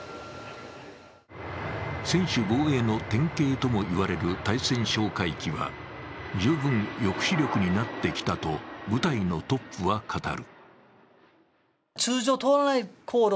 専守防衛の典型とも言われる対潜哨戒機は十分抑止力になってきたと部隊のトップは語る。